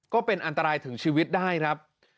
ก็เป็นอันตรายถึงชีวิตได้ครับ